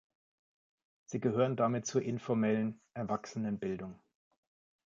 Sie gehören damit zur informellen Erwachsenenbildung.